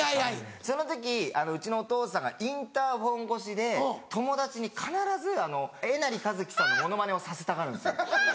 その時うちのお父さんがインターホン越しで友達に必ずえなりかずきさんのモノマネをさせたがるんですよ。